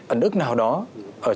ẩn ức nào đó ở trong